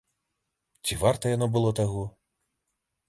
Ці варта яно было таго?